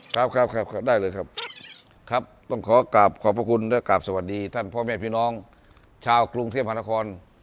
ครับครับได้เลยครับครับต้องขอกลับขอบพระคุณและกลับสวัสดีท่านพ่อแม่พี่น้องชาวกรุงเทพหานคร